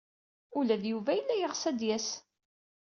Ula d Yuba yella yeɣs ad d-yas.